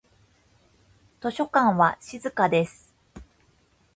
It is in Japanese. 図書館は静かです。